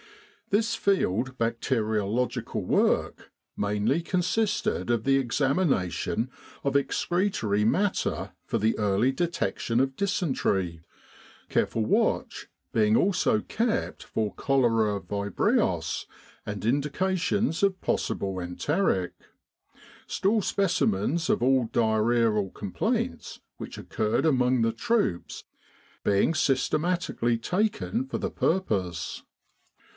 This field bacteriological work mainly consisted of the examination of excretory matter for the early detec tion of dysentery, careful watch being also kept for cholera vibrios and indications of possible enteric, stool specimens of all diarrhceal complaints which occurred among the troops being systematically taken for the purpose.